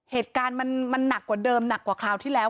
เหตุการณ์มันหนักกว่าเดิมหนักกว่าคราวที่แล้ว